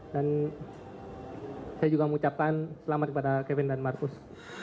dan saya juga mengucapkan selamat kepada kevin dan marcus